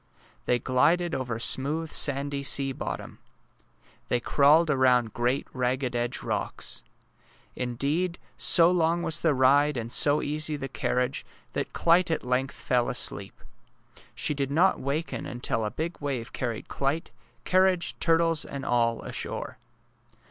They glided over smooth sandy sea bottom. They crawled aroimd great ragged edged rocks. Indeed, so long was the ride and so easy the carriage that Clyte at length fell asleep. She did not waken until a big wave carried Clyte, carriage, turtles, and all ashore.